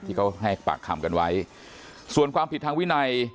ที่เขาให้ปากคำกันไว้ส่วนความผิดทางวินัย